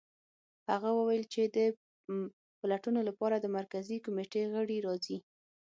هغه وویل چې د پلټنو لپاره د مرکزي کمېټې غړي راځي